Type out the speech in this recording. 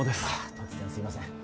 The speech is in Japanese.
突然すいません